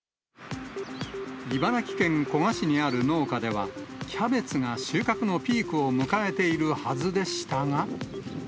茨城県古河市にある農家では、キャベツが収穫のピークを迎えているはずでしたが。